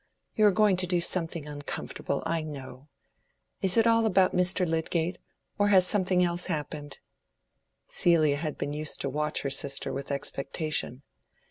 You are going to do something uncomfortable, I know. Is it all about Mr. Lydgate, or has something else happened?" Celia had been used to watch her sister with expectation.